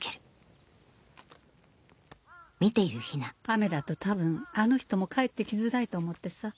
雨だと多分あの人も帰ってきづらいと思ってさ。